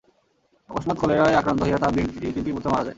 অকস্মাৎ কলেরায় আক্রান্ত হইয়া তাঁহার তিনটি পুত্র মারা যায়।